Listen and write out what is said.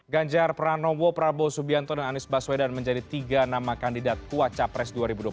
ganjar pranowo prabowo subianto dan anies baswedan menjadi tiga nama kandidat kuat capres dua ribu dua puluh empat